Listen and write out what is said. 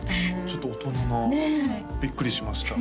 ちょっと大人なびっくりしました